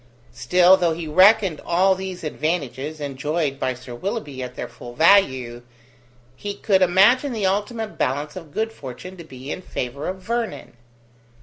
Still, though he reckoned all these advantages enjoyed by Sir Willoughby at their full value, he could imagine the ultimate balance of good fortune to be in favour of Vernon.